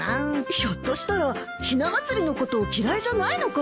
ひょっとしたらひな祭りのこと嫌いじゃないのかも。